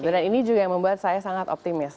dan ini juga membuat saya sangat optimis